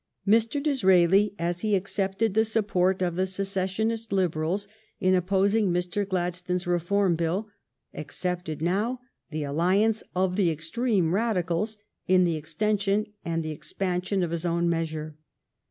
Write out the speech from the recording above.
Mr. Disraeli, as he accepted the support of the secessionist Liberals in opposing Mr. Gladstone's Reform Bill, accepted now the alliance of the extreme Radicals in the extension and the expansion of his own measure.